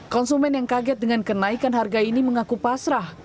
konsumen yang kaget dengan kenaikan harga ini mengaku pasrah